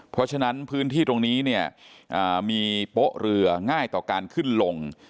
เพราะฉะนั้นพื้นที่ตรงนี้เนี่ยมีโป๊ะเรือง่ายต่อการขึ้นลง